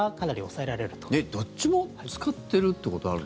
えっ、どっちも使ってるってことあるの？